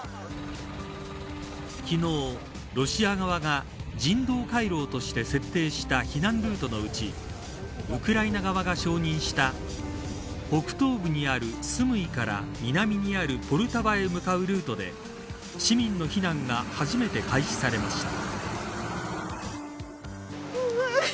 昨日、ロシア側が人道回廊として設定した避難ルートのうちウクライナ側が承認した北東部にあるスムイから南にあるポルタワへ向かうルートで市民の避難が初めて開始されました。